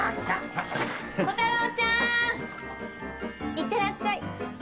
いってらっしゃい。